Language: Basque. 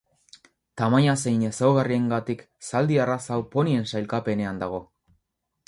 Tamaina zein ezaugarriengatik zaldi arraza hau ponien sailkapenean dago.